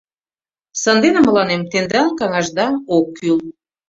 — Сандене мыланем тендан каҥашда ок кӱл.